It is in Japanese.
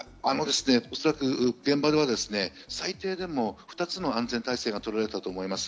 おそらく現場では、最低でも２つの安全体制がとられたと思います。